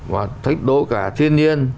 và thách đố cả thiên nhiên